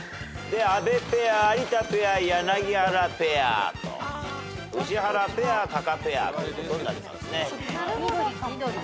阿部ペア有田ペア柳原ペア宇治原ペアタカペアということになりますね。